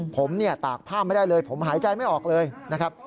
ผมเนี่ยตากผ้าไม่ได้เลยผมหายใจไม่ออกเลยนะครับ